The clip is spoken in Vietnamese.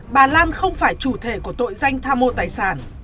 bà lan không phải chủ thể của tội danh tham mô tài sản